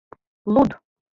— Луд!..